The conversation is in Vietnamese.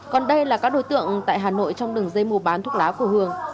còn đây là các đối tượng tại hà nội trong đường dây mù bán thuốc lái của hường